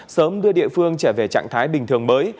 sớm đưa địa phương trở về trạng thái bình thường mới